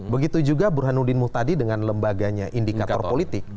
begitu juga burhanuddin muhtadi dengan lembaganya indikator politik